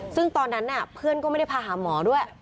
ซึ่งตอนนั้นเพื่อนก็ไม่ได้พาหาหมอด้วย